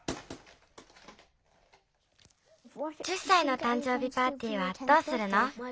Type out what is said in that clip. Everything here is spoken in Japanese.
１０歳のたん生日パーティーはどうするの？